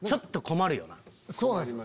そうなんですよ